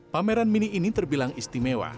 pameran mini ini terbilang istimewa